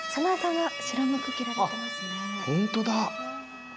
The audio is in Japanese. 本当だ。